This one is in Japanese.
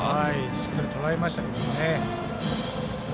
しっかりとらえましたけどもね。